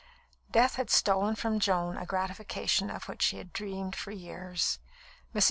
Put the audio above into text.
Death had stolen from Joan a gratification of which she had dreamed for years. Mrs.